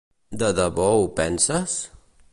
De debò ho penses?